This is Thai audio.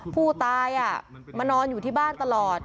ผู้ตายมานอนอยู่ที่บ้านตลอด